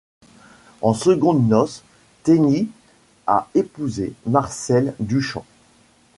En secondes noces, Teeny a épousé Marcel Duchamp.